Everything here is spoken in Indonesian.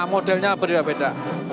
sama modelnya berbeda beda